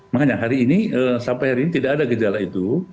makanya hari ini sampai hari ini tidak ada gejala itu